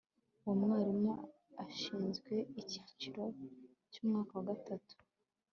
uwo mwarimu ashinzwe icyiciro cyumwaka wa gatatu